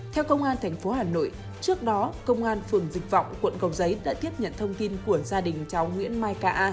theo công an tp hà nội trước đó công an phường dịch vọng quận cầu giấy đã tiếp nhận thông tin của gia đình cháu nguyễn mai k a